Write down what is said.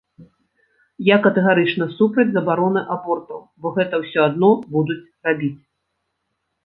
Я катэгарычна супраць забароны абортаў, бо гэта ўсё адно будуць рабіць.